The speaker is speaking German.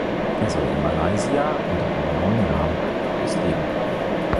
Er soll in Malaysia unter einem neuen Namen ein neues Leben beginnen.